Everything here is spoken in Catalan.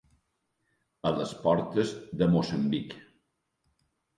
A les portes de Moçambic.